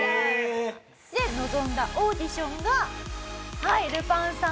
で臨んだオーディションが。